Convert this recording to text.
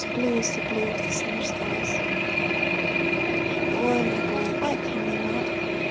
Blue as the blue of summer skies. My boy ! my boy !— Why come they not